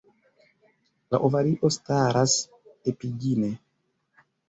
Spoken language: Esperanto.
La ovario staras epigine.